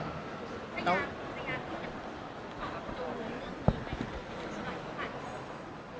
แล้วพี่ก็พยายามมาตลอดนะครับ